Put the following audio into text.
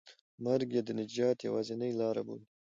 مرګ یې د نجات یوازینۍ لاره بولي.